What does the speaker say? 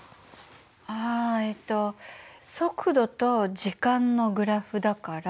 あえっと速度と時間のグラフだから。